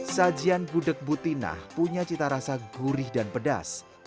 sajian gudeg butina punya cita rasa gurih dan pedas